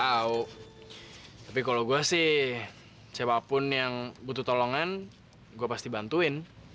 tau tapi kalo gua sih siapapun yang butuh tolongan gua pasti bantuin